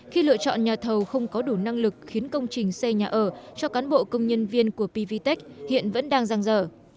khi lựa chọn nhà thầu không có đủ năng lực khiến công trình xây nhà ở cho cán bộ công nhân viên của pvtec hiện vẫn đang giang dở